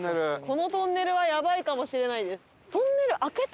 このトンネルはやばいかもしれないです。